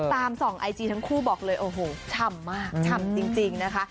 ส่องไอจีทั้งคู่บอกเลยโอ้โหฉ่ำมากชำจริงนะคะ